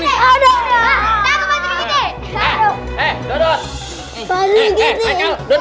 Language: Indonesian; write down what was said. masak malam gak bisa jangan deh ini